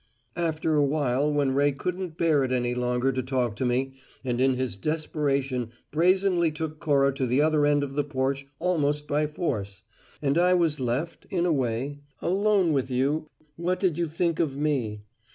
"Afterwhile, when Ray couldn't bear it any longer to talk to me, and in his desperation brazenly took Cora to the other end of the porch almost by force, and I was left, in a way, alone with you what did you think of me?